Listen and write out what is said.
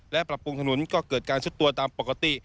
และปรับปรุงถนนก็เกิดการซุดตัวตามปกติ